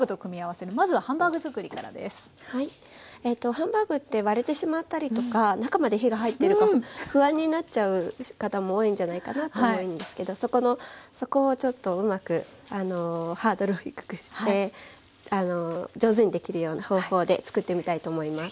ハンバーグって割れてしまったりとか中まで火が入ってるか不安になっちゃう方も多いんじゃないかなと思うんですけどそこのそこをちょっとうまくハードルを低くして上手にできるような方法で作ってみたいと思います。